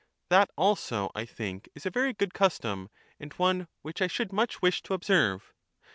That also, I think, is a very good custom, and one which I should much wish to observe.